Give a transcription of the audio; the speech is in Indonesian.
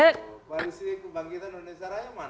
koalisi kebangkitan indonesia raya mana